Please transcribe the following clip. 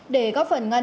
để góp phần ngân